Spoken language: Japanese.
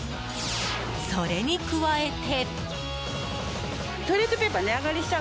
それに加えて。